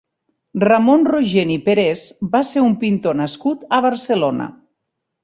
Ramon Rogent i Perés va ser un pintor nascut a Barcelona.